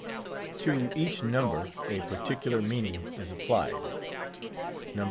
To each number a particular meaning is applied. No.